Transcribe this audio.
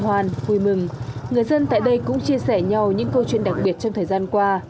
trong tâm trạng hân hoàn vui mừng người dân tại đây cũng chia sẻ nhau những câu chuyện đặc biệt trong thời gian qua